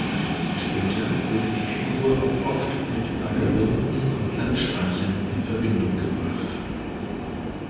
Später wurde die Figur auch oft mit Vagabunden und Landstreichern in Verbindung gebracht.